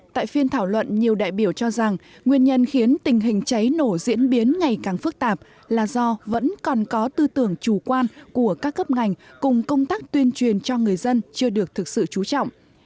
tại phiên thảo luận nhiều đại biểu cho rằng nguyên nhân khiến tình hình cháy nổ diễn biến ngày càng phức tạp là do vẫn còn có tư tưởng chủ quan của các cấp ngành cùng công tác tuyên truyền cho người dân chưa được thực sự trú trọng